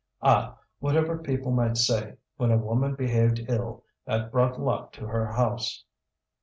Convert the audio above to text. Ah! whatever people might say, when a woman behaved ill, that brought luck to her house.